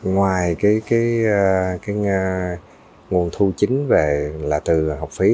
ngoài nguồn thu chính là từ học phí